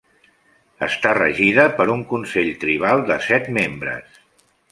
Està regida per un consell tribal de set membres.